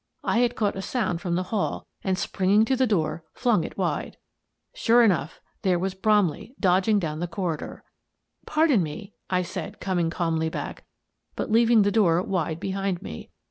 I had caught a sound from the hall and, springing to the door, flung it wide. Sure enough, there was Bromley dodging down the corridor! " Pardon me," I said, coming calmly back, but leaving the door wide behind me.